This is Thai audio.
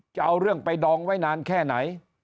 จะเอาเรื่องไปดองไว้นานแค่ไหน